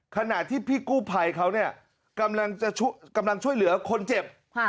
ขณะที่พี่กู้ภัยเขาเนี่ยกำลังช่วยเหลือคนเจ็บ